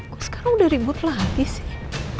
kok sekarang udah ribut lagi sih